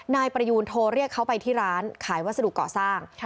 นายประยูนโทรเรียกเขาไปที่ร้านขายวัสดุเกาะสร้าง